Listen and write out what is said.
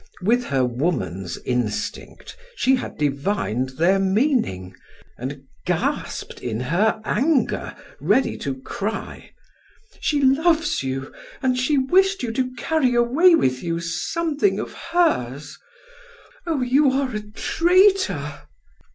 With her woman's instinct she had divined their meaning and gasped in her anger, ready to cry: "She loves you and she wished you to carry away with you something of hers. Oh, you are a traitor."